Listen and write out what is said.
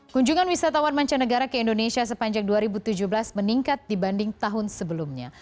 kunjungan wisatawan mancanegara ke indonesia sepanjang dua ribu tujuh belas meningkat dibanding tahun sebelumnya